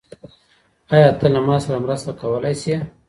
ايا ته له ما سره مرسته کولای سې؟